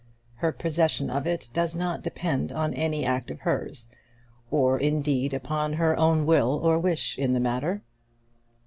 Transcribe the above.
Her possession of it does not depend on any act of hers, or, indeed, upon her own will or wish in the matter."